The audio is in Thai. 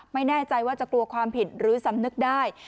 ไม่แน่ใจว่าจะกลัวความผิดหรือสำนึกได้